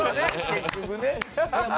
結局ね。